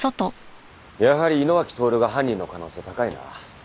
やはり井野脇透が犯人の可能性高いな。